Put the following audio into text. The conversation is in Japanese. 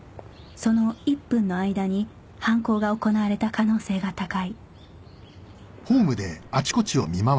その１分の間に犯行が行われた可能性が高い